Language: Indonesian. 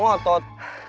gak mau otot